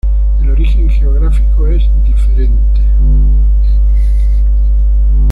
El origen geográfico es diferente.